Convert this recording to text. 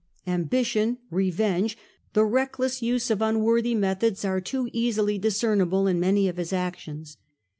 Ambition, revenge, the reckless use of unworthy methods, are too easily discernible in many of his actions.